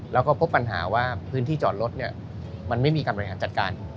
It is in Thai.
แล้วก็พบปัญหาว่าพื้นที่จอดรถมันไม่มีการบริหารจัดการ